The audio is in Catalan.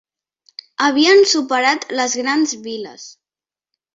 Havien superat les grans viles.